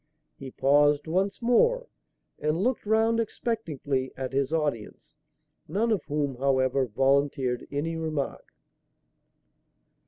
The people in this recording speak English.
He paused once more and looked round expectantly at his audience, none of whom, however, volunteered any remark.